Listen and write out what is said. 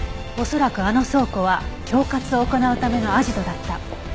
恐らくあの倉庫は恐喝を行うためのアジトだった。